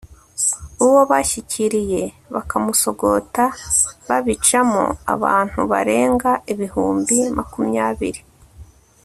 uwo bashyikiriye bakamusogota, babicamo abantu barenga ibihumbi makumyabiri